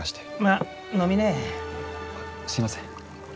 あっすいません。